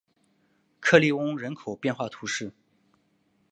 克利翁人口变化图示